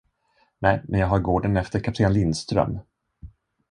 Nej, men jag har gården efter kapten Lindström.